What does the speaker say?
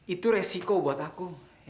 itu resiko buat aku